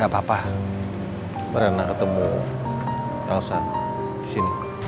gak apa apa pernah ketemu bangsa di sini